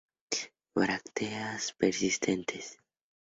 Brácteas persistentes.